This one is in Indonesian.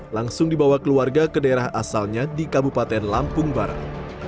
langsung dibawa keluarga ke daerah asalnya di kabupaten lampung barat